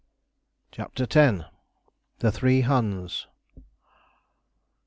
CHAPTER X. THE THREE HUNS.